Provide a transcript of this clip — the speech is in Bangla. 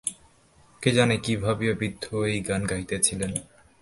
কে জানে কী ভাবিয়া বৃদ্ধ এই গান গাহিতেছিলেন।